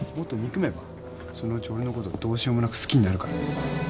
そのうち俺のことがどうしようもなく好きになるから。